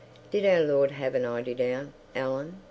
"Did our Lord have an eiderdown, Ellen?"